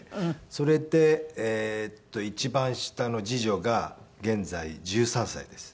それで一番下の次女が現在１３歳です。